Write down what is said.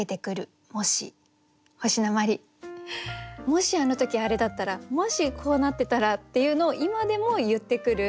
もしあの時あれだったらもしこうなってたらっていうのを今でも言ってくる。